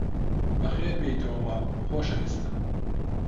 بەخێربێیتەوە ماڵ، خۆشەویستم!